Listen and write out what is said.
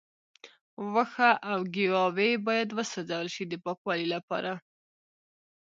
وښه او ګیاوې باید وسوځول شي د پاکوالي لپاره.